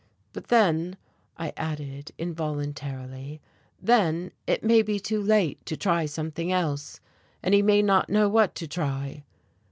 "But then," I added involuntarily, "then it may be too late to try something else, and he may not know what to try."